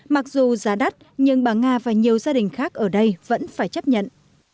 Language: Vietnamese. mặc dù giá đắt nhưng bà nga và nhiều gia đình khác ở đây vẫn phải chấp nhận